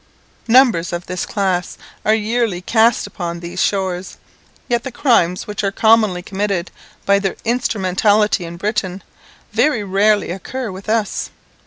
Numbers of this class are yearly cast upon these shores, yet the crimes which are commonly committed by their instrumentality in Britain, very rarely occur with us.